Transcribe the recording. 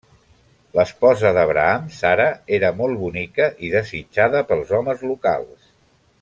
L'esposa d'Abraham, Sara, era molt bonica i desitjada pels homes locals.